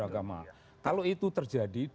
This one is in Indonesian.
kalau itu terjadi